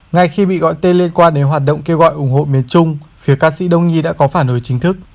ngay khi bị gọi tên liên quan đến hoạt động kêu gọi ủng hộ miền trung phía ca sĩ đông nhi đã có phản hồi chính thức